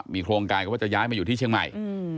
มีโครงการก็ว่าจะย้ายมาอยู่ที่เชียงใหม่